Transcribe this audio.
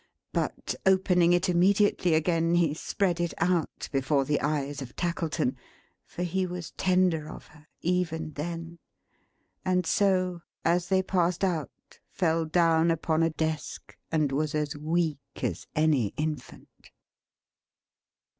But opening it immediately again, he spread it out before the eyes of Tackleton (for he was tender of her, even then), and so, as they passed out, fell down upon a desk, and was as weak as any infant.